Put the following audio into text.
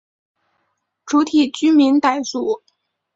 主体居民傣族。